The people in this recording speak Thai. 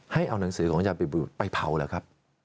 ให้เอาหนังสือของอาจารย์ปีบรุษไปเผาเหรอครับ